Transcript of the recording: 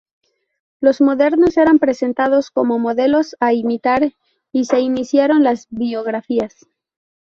Los modernos eran presentados como modelos a imitar, y se iniciaron las biografías.